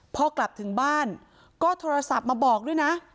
พอกลับถึงบ้านก็โทรศัพท์มาบอกด้วยนะ